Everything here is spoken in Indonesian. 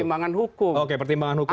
itu pertimbangan hukum